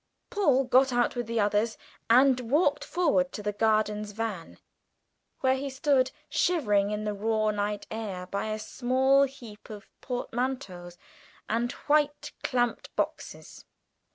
Paul got out with the others, and walked forward to the guard's van, where he stood shivering in the raw night air by a small heap of portmanteaux and white clamped boxes.